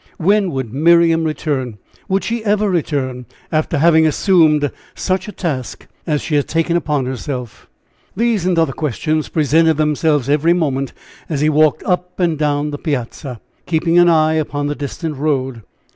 When would Miriam return? Would she ever return, after having assumed such a task as she had taken upon herself?" These and other questions presented themselves every moment, as he walked up and down the piazza, keeping an eye upon the distant road.